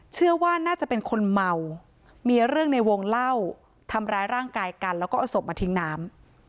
เชื่อว่าน่าจะเป็นคนเมามีเรื่องในวงเล่าทำร้ายร่างกายกันแล้วก็เอาศพมาทิ้งน้ำ